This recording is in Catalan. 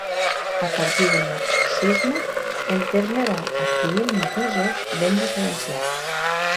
A partir del marxisme el terme va adquirint matisos ben diferenciats.